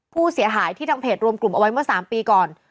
ผู้เสียหายที่ทางเพจรวมกลุ่มเอาไว้เมื่อ๓ปีก่อน